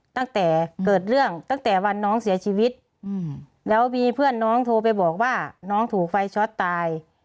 ตั้งแต่เกิดเรื่องตั้งแต่วันน้องเสียชีวิตแล้วมีเพื่อนน้องโทรไปบอกว่าน้องถูกไฟช็อตตาย